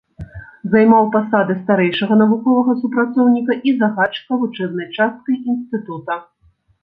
Займаў пасады старэйшага навуковага супрацоўніка і загадчыка вучэбнай часткай інстытута.